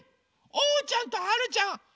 おうちゃんとはるちゃん！